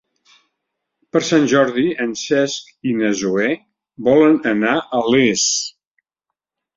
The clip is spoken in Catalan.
Per Sant Jordi en Cesc i na Zoè volen anar a Les.